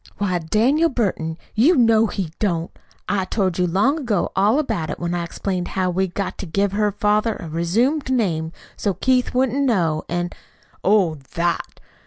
"Why, Daniel Burton, you know he don't! I told you long ago all about it, when I explained how we'd got to give her father a resumed name, so Keith wouldn't know, an' " "Oh, THAT!